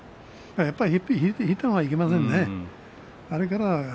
やっぱり引いてはいけませんね。